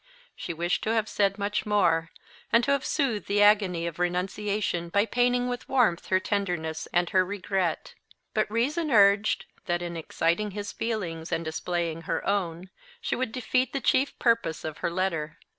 She wished to have said much more, and to have soothed the agony of renunciation by painting with warmth her tenderness and her regret; but reason urged that, in exciting his feelings and displaying her own, she would defeat the chief purpose of her letter.